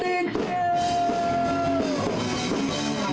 ชิ้นโลโซ